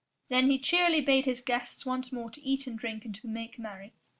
Then he cheerily bade his guests once more to eat and drink and to make merry.